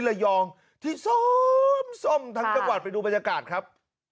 ละยองที่ทั้งกระบาทไปดูบรรยากาศครับ